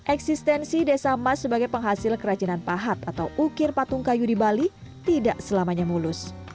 eksistensi desa mas sebagai penghasil kerajinan pahat atau ukir patung kayu di bali tidak selamanya mulus